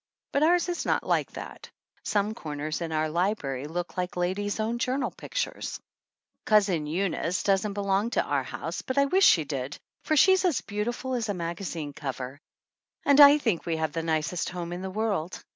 But ours is not like that. Some corners in our library look like Ladies' Own Journal pictures. Cousin Eunice doesn't belong to our house, but I wish she did, for she's as beautiful as a magazine cover. And I think we have the nicest home in the world.